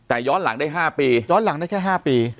แต่ย้อนหลังได้๕ปีย้อนหลังได้แค่๕ปี